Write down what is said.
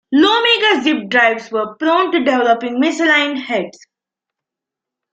Iomega Zip drives were prone to developing misaligned heads.